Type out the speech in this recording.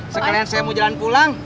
sekalian saya mau jalan pulang